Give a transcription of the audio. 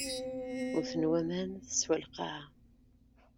Wten waman teswa lqaɛa.